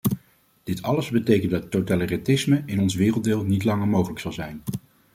Dit alles betekent dat totalitarisme in ons werelddeel niet langer mogelijk zal zijn.